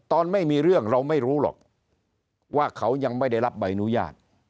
ตอนไม่มีเรื่องเราไม่รู้หรอกว่าเขายังไม่ได้รับใบอนุญาต